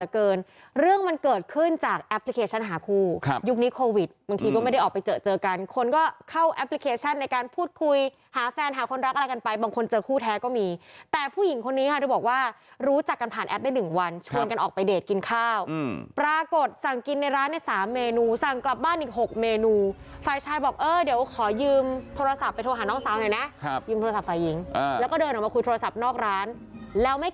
เกินเรื่องมันเกิดขึ้นจากแอปพลิเคชั่นหาครูครับยุคนี้โควิดมึงทีก็ไม่ได้ออกไปเจอเจอกันคนก็เข้าแอปพลิเคชันในการพูดคุยหาแฟนหาคนรักอะไรกันไปบางคนเจอคู่แท้ก็มีแต่ผู้หญิงคนนี้กาที่บอกว่ารู้จักกันผ่านแอปได้๑วันชวนกันออกไปเดทกินข้าวปรากฏสั่งกินในร้าน๓เมนูสั่งกลับบ้านอีก๖เ